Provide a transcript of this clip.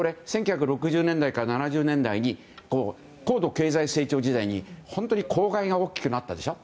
１９６０年代から７０年代に高度経済成長時代に本当に公害が大きくなったでしょ。